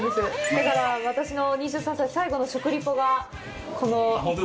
だから、私の２３歳最後の食リポがこの。